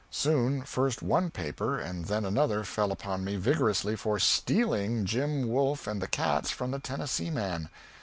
Soon first one paper and then another fell upon me rigorously for "stealing" Jim Wolf and the Cats from the Tennessee man.